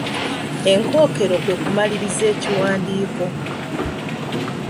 Enkookero kwe kumaliriza ekiwandiiko.